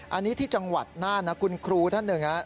อันนี้ที่จังหวัดน่านนะคุณครูท่านหนึ่ง